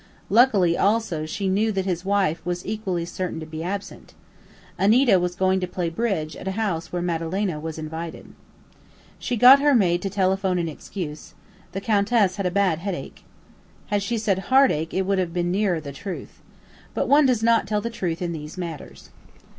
Luckily also she knew that his wife was equally certain to be absent. "Anita" was going to play bridge at a house where Madalena was invited. She got her maid to telephone an excuse "the Countess had a bad headache." Had she said heartache it would have been nearer the truth. But one does not tell the truth in these matters.